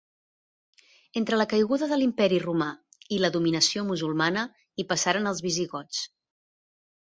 Entre la caiguda de l'Imperi romà i la dominació musulmana, hi passaren els visigots.